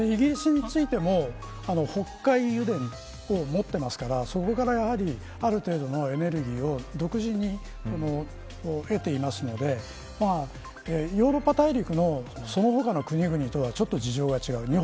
イギリスについても北海油田を持っていますからそこから、やはりある程度のエネルギーを独自に得ていますのでヨーロッパ大陸のその他の国々とはちょっと事情が違う。